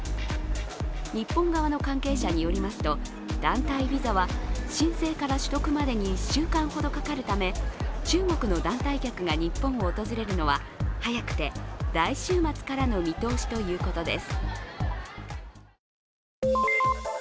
日本側の関係者によりますと団体ビザは申請から取得までに１週間ほどかかるため中国の団体客が日本を訪れるのは早くて来週末からの見通しということです。